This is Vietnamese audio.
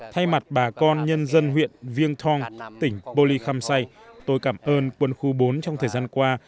thay mặt bà con nhân dân huyện viên thong tỉnh bồ lý không say tôi cảm ơn quân khu bốn trong thời gian qua